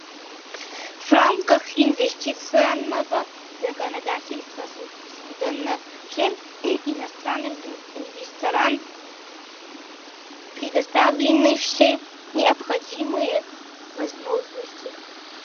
В рамках инвестиционного законодательства Судана всем иностранным инвесторам предоставлены все необходимые возможности.